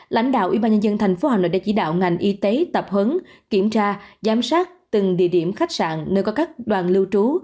lãnh đạo y tế hà nội đã chỉ đạo ngành y tế tập hấn kiểm tra giám sát từng địa điểm khách sạn nơi có các đoàn lưu trú